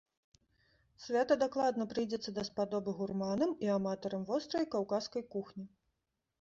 Свята дакладна прыйдзецца даспадобы гурманам і аматарам вострай каўказскай кухні.